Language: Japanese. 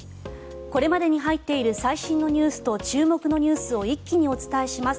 これまでに入っている最新ニュースと注目のニュースを一気にお伝えします。